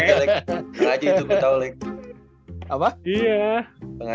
pengaju itu lebih seru